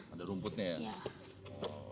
ada rumputnya ya